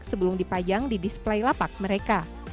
sebelum dipajang di display lapak mereka